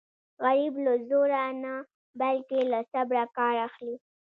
غریب له زوره نه بلکې له صبره کار اخلي